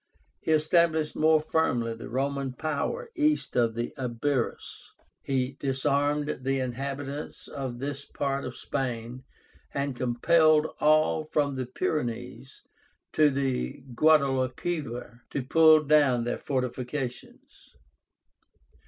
He established more firmly the Roman power east of the Ibérus. He disarmed the inhabitants of this part of Spain, and compelled all from the Pyrenees to the Guadalquivir to pull down their fortifications.